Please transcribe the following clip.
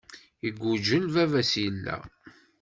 Iggujel, baba-s illa.